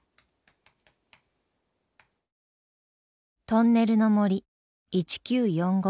「トンネルの森１９４５」。